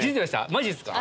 マジっすか？